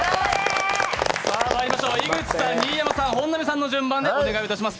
井口さん、新山さん、本並さんの順番でお願いします。